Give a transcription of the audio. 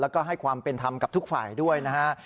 แล้วก็ให้ความเป็นธรรมกับทุกฝ่ายด้วยนะฮะ